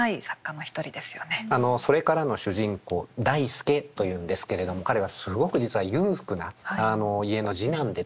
「それから」の主人公代助というんですけれども彼はすごく実は裕福な家の次男でですね